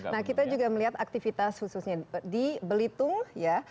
nah kita juga melihat aktivitas khususnya di belitung ya